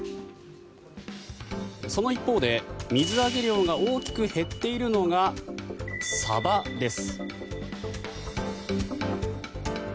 その一方で水揚げ量が大きく減っているのがサバです。